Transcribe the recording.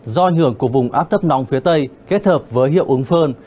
do ảnh hưởng của vùng áp thấp nóng phía tây kết hợp với hiệu ứng phơn